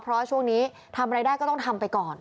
เพราะว่าช่วงนี้ทำอะไรได้ก็ต้องทำไปก่อน